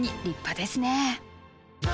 立派ですね！